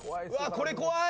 これ怖い。